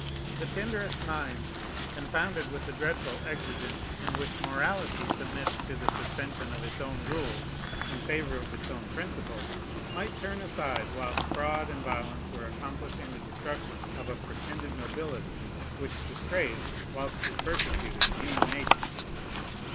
The tenderest minds, confounded with the dreadful exigence in which morality submits to the suspension of its own rules in favor of its own principles, might turn aside whilst fraud and violence were accomplishing the destruction of a pretended nobility, which disgraced, whilst it persecuted, human nature.